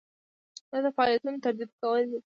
دا د فعالیتونو ترتیب کول دي.